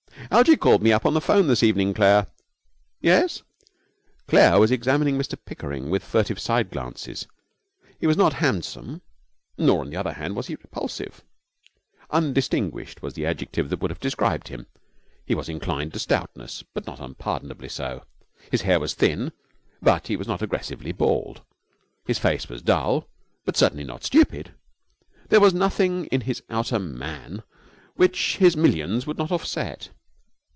'Algie called me up on the phone this evening, Claire.' 'Yes?' Claire was examining Mr Pickering with furtive side glances. He was not handsome, nor, on the other hand, was he repulsive. 'Undistinguished' was the adjective that would have described him. He was inclined to stoutness, but not unpardonably so; his hair was thin, but he was not aggressively bald; his face was dull, but certainly not stupid. There was nothing in his outer man which his millions would not offset.